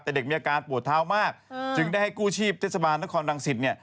แต่เด็กมีอาการปวดเท้ามากจึงได้ให้กู้ชีพเทศบาลนครรังสิตเนี่ย